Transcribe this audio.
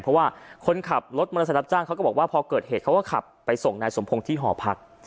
เพราะว่าคนขับรถมอเตอร์ไซค์รับจ้างเขาก็บอกว่าพอเกิดเหตุเขาก็ขับไปส่งนายสมพงศ์ที่หอพัก